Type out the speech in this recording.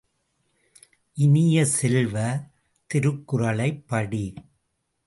இனிய செல்வ, திருக்குறளைப் படி!